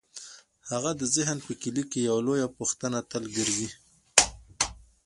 د هغه د ذهن په کلي کې یوه لویه پوښتنه تل ګرځېده: